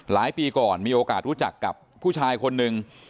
ปีก่อนมีโอกาสรู้จักกับผู้ชายคนหนึ่ง